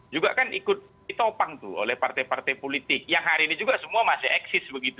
juga kan ditopang oleh partai partai politik yang hari ini juga semua masih eksis